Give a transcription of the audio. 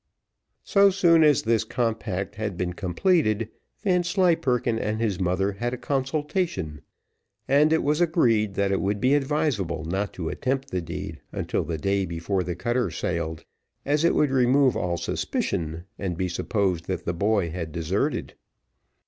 So soon as this compact had been completed, Vanslyperken and his mother had a consultation; and it was agreed, that it would be advisable not to attempt the deed until the day before the cutter sailed, as it would remove all suspicion, and be supposed that the boy had deserted.